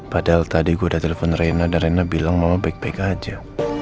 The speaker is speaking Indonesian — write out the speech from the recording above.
padahal tadi gue udah telepon rena dan rena bilang mama baik baik aja